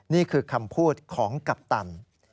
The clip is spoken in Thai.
นี่คือคำพูดของกัปตัน